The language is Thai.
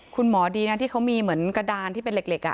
คุณหมอดีนะที่เขามีเหมือนกระดานที่เป็นเหล็ก